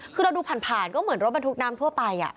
คือเราดูผ่านก็เหมือนรถบรรทุกน้ำทั่วไป